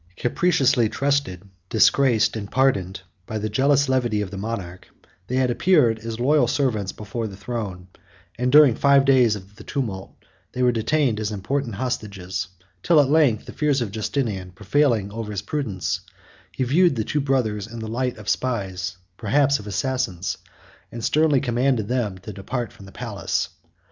Capriciously trusted, disgraced, and pardoned, by the jealous levity of the monarch, they had appeared as loyal servants before the throne; and, during five days of the tumult, they were detained as important hostages; till at length, the fears of Justinian prevailing over his prudence, he viewed the two brothers in the light of spies, perhaps of assassins, and sternly commanded them to depart from the palace.